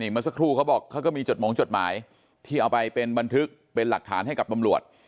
มันสักครู่เขาบอกมีจดหม่งจดหมายที่มาเป็นบันทึกเป็นหลักฐานให้กับปำรวจ